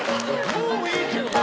もういいけどな。